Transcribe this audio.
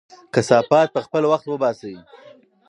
کثافات په خپل وخت وباسئ.